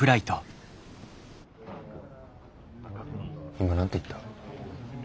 今何て言った？